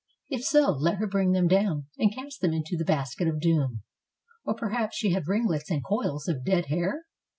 If so, let her bring them down and cast them into the basket of doom. Or, perhaps, she had ringlets and coils of "dead hair"?